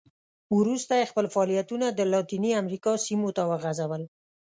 وروسته یې خپل فعالیتونه د لاتینې امریکا سیمو ته وغځول.